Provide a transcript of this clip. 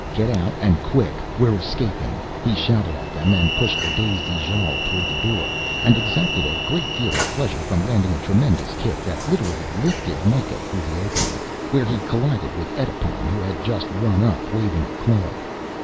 "Get out and quick we're escaping!" he shouted at them and pushed the dazed Ijale towards the door and exacted a great deal of pleasure from landing a tremendous kick that literally lifted Mikah through the opening, where he collided with Edipon who had just run up waving a club.